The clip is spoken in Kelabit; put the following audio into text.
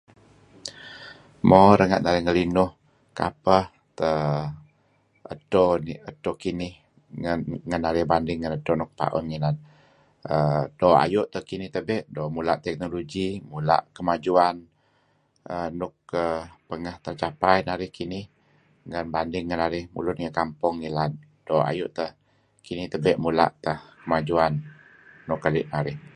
Mo renga' narih ngelinuh kapeh teh edto nih edto kinih ngan narih banding dih ngan edto nuk ma'un ngilad err doo' ayu' teh kinih tebe' doo' mula' technology mula' kemajuan err nuk pengeh tercapai narih kinih banding ngen narih mulun ngi kampung ngilad. Doo' ayu teh kinih tebe' mula' teh kemajuan nuk keli' narih.